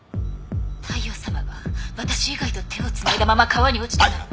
大陽さまが私以外と手をつないだまま川に落ちたなんて。